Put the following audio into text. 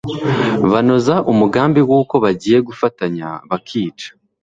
banoza umugambi wuko bagiye gufatanya bakica